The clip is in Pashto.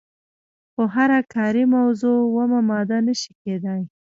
خو هره کاري موضوع اومه ماده نشي کیدای.